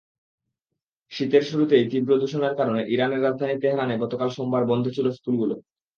শীতের শুরুতেই তীব্র দূষণের কারণে ইরানের রাজধানী তেহরানে গতকাল সোমবার বন্ধ ছিল স্কুলগুলো।